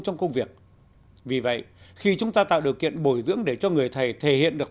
trong công việc vì vậy khi chúng ta tạo điều kiện bồi dưỡng để cho người thầy thể hiện được